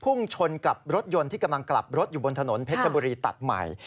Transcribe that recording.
พุ่งชนกับรถยนต์ที่กำลังกลับรถอยู่บนถนนเพชรบุรีตัดใหม่